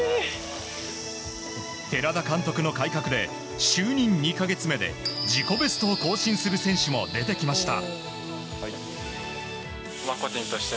寺田監督の改革で就任２か月目で自己ベストを更新する選手も出てきました。